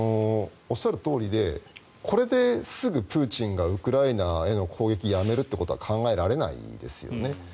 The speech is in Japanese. おっしゃるとおりでこれですぐプーチンがウクライナへの攻撃をやめるってことは考えられないですよね。